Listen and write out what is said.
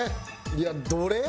いやどれ？